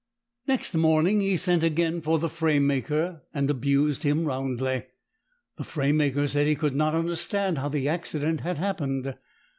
Next morning he sent again for the framemaker, and abused him roundly. The framemaker said he could not understand how the accident had happened.